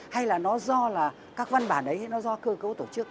hay là nó do là các văn bản đấy nó do cơ cấu tổ chức